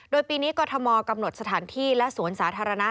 โดยปีนี้กรทมกำหนดสถานที่และสวนสาธารณะ